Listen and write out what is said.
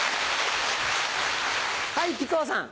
はい木久扇さん。